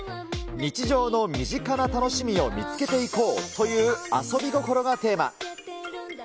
日常の身近な楽しみを見つけていこうという遊び心がテーマ。